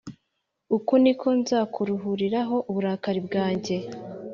Uku ni ko nzakuruhuriraho uburakari bwanjye